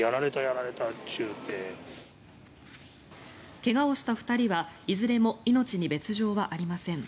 怪我をした２人はいずれも命に別条はありません。